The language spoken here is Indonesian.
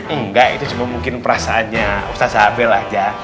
enggak itu cuma mungkin perasaannya ustadz sabil aja